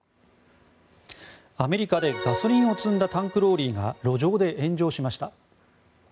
アメリカで、ガソリンを積んだタンクローリーが路上で炎上しました。